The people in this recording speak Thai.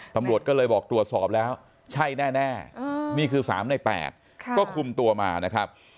ตำรวจก็เลยบอกตรวจสอบแล้วใช่แน่นี่คือ๓ใน๘ก็คุมตัวมานะครับ